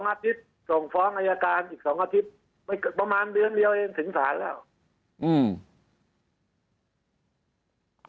อาทิตย์ส่งฟ้องอายการอีกสองอาทิตย์ไม่ประมาณเดือนเดียวเองถึงศาลแล้วอืม